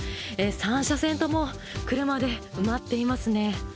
３車線とも車で埋まっていますね。